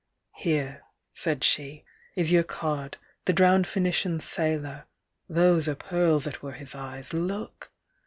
Here, said she, Is your card, the drowned Phoenician Sailor, (Those are pearls that were his eyes. Look!)